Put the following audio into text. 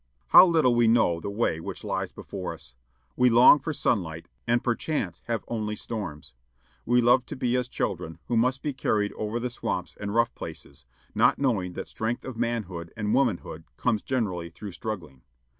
How little we know the way which lies before us. We long for sunlight, and perchance have only storms. We love to be as children who must be carried over the swamps and rough places, not knowing that strength of manhood and womanhood comes generally through struggling.